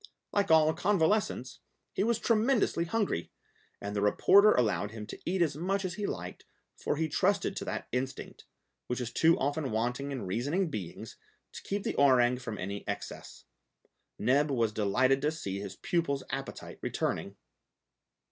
Like all convalescents, he was tremendously hungry, and the reporter allowed him to eat as much as he liked, for he trusted to that instinct, which is too often wanting in reasoning beings, to keep the orang from any excess. Neb was delighted to see his pupil's appetite returning.